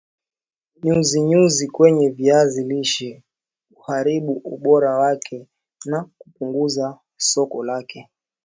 nyuzi nyuzi kwenye viazi lishe uharibu ubora wake na kupunguza soko lake